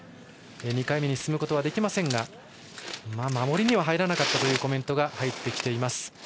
２回目に進むことはできませんが守りには入らなかったというコメントが入ってきています。